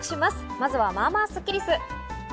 まずは、まあまあスッキりす。